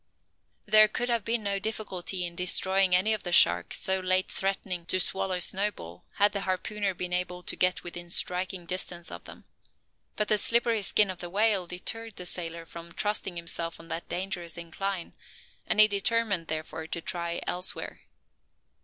There could have been no difficulty in destroying any of the sharks so late threatening to swallow Snowball, had the harpooner been able to get within striking distance of them. But the slippery skin of the whale deterred the sailor from trusting himself on that dangerous incline; and he determined, therefore, to try elsewhere.